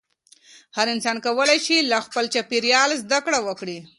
هر انسان کولی شي له خپل چاپېریاله زده کړه وکړي.